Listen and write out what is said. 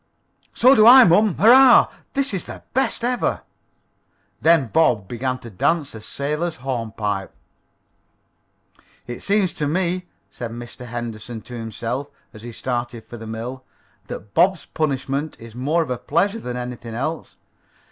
"So do I, mom. Hurrah! This is the best ever!" Then Bob began to dance a sailor's hornpipe. "It seems to me," said Mr. Henderson to himself, as he started for the mill, "that Bob's punishment is more of a pleasure than anything else.